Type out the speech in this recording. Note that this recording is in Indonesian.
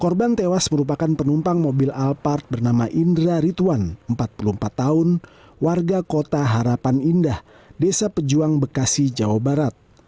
korban tewas merupakan penumpang mobil alphard bernama indra rituan empat puluh empat tahun warga kota harapan indah desa pejuang bekasi jawa barat